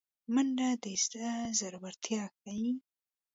منډه د زړه زړورتیا ښيي